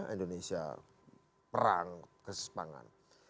indonesia perang kesepangan